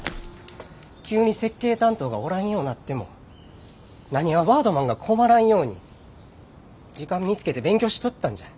急に設計担当がおらんようなってもなにわバードマンが困らんように時間見つけて勉強しとったんじゃ！